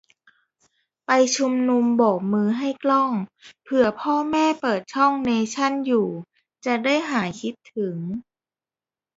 ไปชุมนุมโบกมือให้กล้อง เผื่อพ่อแม่เปิดช่องเนชั่นอยู่จะได้หายคิดถึง